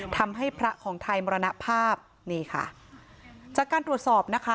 ทำให้พระของไทยมรณภาพนี่ค่ะจากการตรวจสอบนะคะ